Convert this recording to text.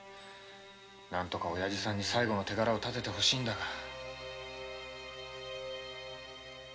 何とかおやじさんに最後の手柄を立てて欲しいんだが。